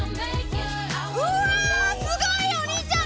うわすごいよお兄ちゃん！